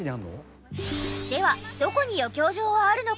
ではどこに余興場はあるのか？